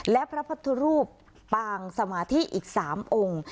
และพระพุทธรูปปางสมาธิอีก๓องค์